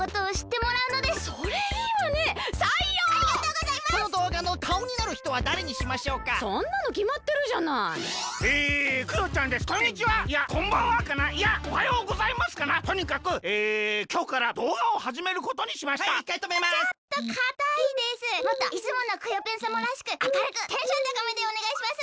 もっといつものクヨッペンさまらしくあかるくテンションたかめでおねがいします。